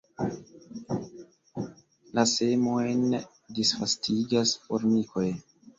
La semojn disvastigas formikoj.